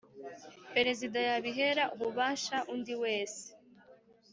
Perezida yabihera ububasha undi wese